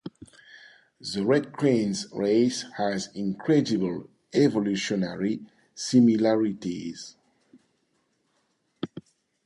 The Red Queen's race has incredible evolutionary similarities.